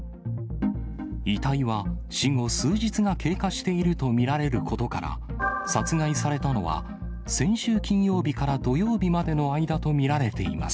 遺体は死後数日が経過していると見られることから、殺害されたのは、先週金曜日から土曜日までの間と見られています。